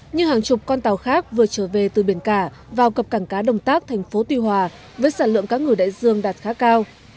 như hàng chục con tàu khác vừa trở về từ biển cả vào cập cảng cá đồng tác thành phố tuy hòa với sản lượng cá ngừ đại dương đạt khá cao